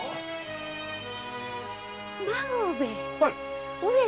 孫兵衛。